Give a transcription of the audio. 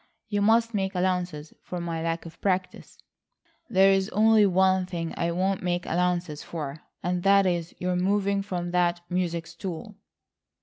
You must make allowances for my lack of practice." "There is only one thing I won't make allowances for, and that is your moving from that music stool."